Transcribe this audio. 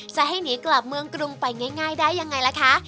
จะให้หนีกลับเมืองกรุงไปง่ายได้ยังไงล่ะคะ